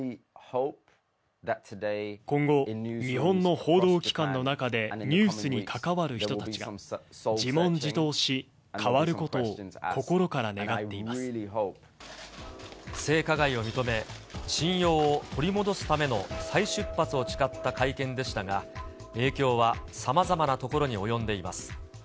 今後、日本の報道機関の中でニュースに関わる人たちが自問自答し、性加害を認め、信用を取り戻すための再出発を誓った会見でしたが、影響はさまざまなところに及んでいます。